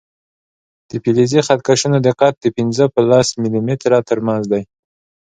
د فلزي خط کشونو دقت د پنځه په لس ملي متره تر منځ دی.